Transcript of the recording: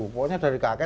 pokoknya dari kakek